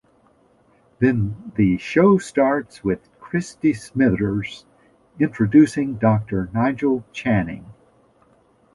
Then the show starts with Christie Smithers introducing Doctor Nigel Channing.